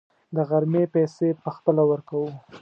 د غرمې پیسې به خپله ورکوو.